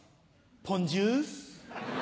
ポンジュース！